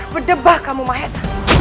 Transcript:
berdebah kamu mahes